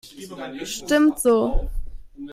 Stimmt so.